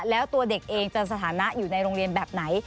แล้วตัวเด็กเองจะสถานะอยู่ในโรงเรียนแบบไหน